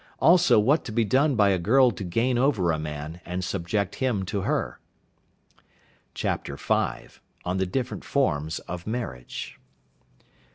Also what to be done by a Girl to gain over a Man and subject him to her. " V. On the different Forms of Marriage.